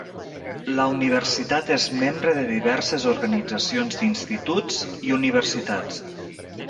La universitat és membre de diverses organitzacions d'instituts i universitats.